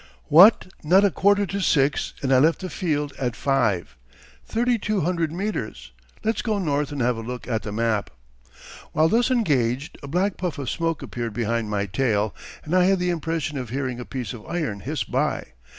What, not a quarter to six, and I left the field at five! Thirty two hundred metres. Let's go north and have a look at the map. While thus engaged a black puff of smoke appeared behind my tail and I had the impression of hearing a piece of iron hiss by.